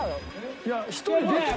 「いや１人」